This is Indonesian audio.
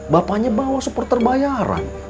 bapaknya bawa supporter bayaran